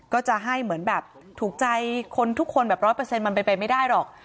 ก็จะให้เหมือนแบบถูกใจคนทุกคนแบบร้อยเปอร์เซ็นมันเป็นไปไม่ได้หรอก